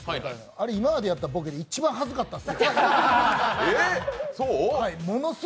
あれ、今までやったボケで一番ハズかったですよ。